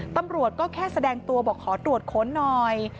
ตำรวจก็แค่แสดงตัวบอกขอตรวจค้นหน่อย